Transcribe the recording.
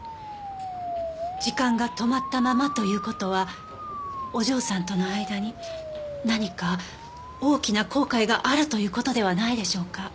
時間が止まったままという事はお嬢さんとの間に何か大きな後悔があるという事ではないでしょうか？